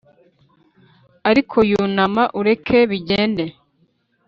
ariko yunama ureke bigende.